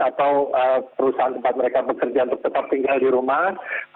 atau perusahaan tempat mereka bekerja untuk tetap tinggal di rumah